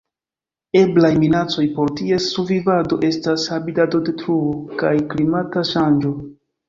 Eblaj minacoj por ties survivado estas habitatodetruo kaj klimata ŝanĝo.